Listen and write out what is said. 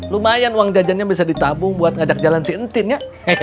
lumayan uang jajannya bisa ditabung buat ngajak jalan si entin ya